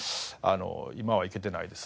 今は行けてないですね。